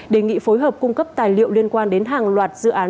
đề nghị phối hợp cung cấp tài liệu liên quan đến hàng loạt dự án